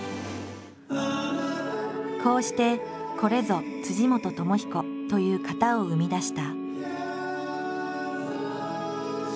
こうしてこれぞ本知彦という型を生み出した。